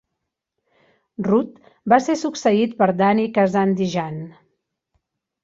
Rudd va ser succeït per Danny Kazandjian.